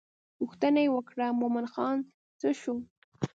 پوښتنه یې وکړه مومن خان څه شو.